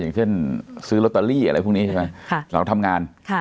อย่างเช่นซื้อลอตเตอรี่อะไรพวกนี้ใช่ไหมเราทำงาน